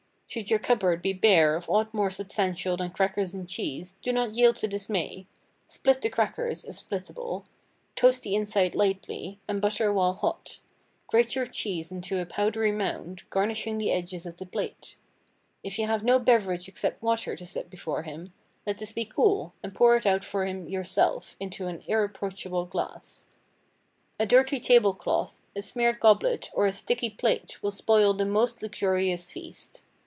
Should your cupboard be bare of aught more substantial than crackers and cheese, do not yield to dismay; split the crackers (if splittable), toast the inside lightly, and butter while hot. Grate your cheese into a powdery mound, garnishing the edges of the plate. If you have no beverage except water to set before him, let this be cool, and pour it out for him yourself, into an irreproachable glass. A dirty table cloth, a smeared goblet, or a sticky plate, will spoil the most luxurious feast.